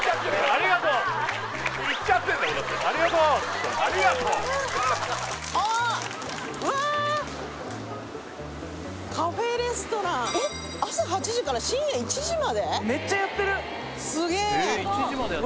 ありがとうっつってありがとうカフェレストランえっ朝８時から深夜１時まで？